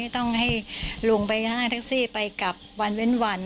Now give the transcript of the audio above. ต้องให้ลงไปห้างแท็กซี่ไปกลับวันเว้นวัน